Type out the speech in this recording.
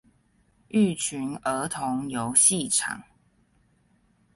育群兒童遊戲場